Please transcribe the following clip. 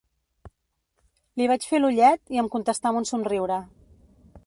Li vaig fer l'ullet, i em contestà amb un somriure